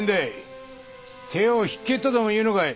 手を引けとでも言うのかい？